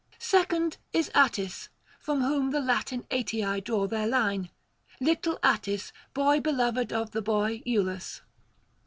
Second is Atys, from whom the Latin Atii draw their line, little Atys, boy beloved of the boy Iülus.